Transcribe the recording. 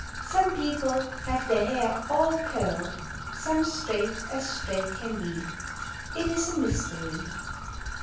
Some people have their hair all curl'd, Some straight as straight can be. It is a Mystery.